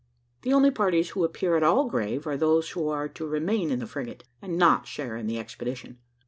The only parties who appear at all grave are those who are to remain in the frigate, and not share in the expedition.